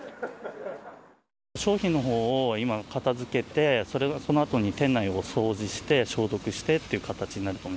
商品のほうを今、片づけて、そのあとに店内を掃除して、消毒してという形になると思う。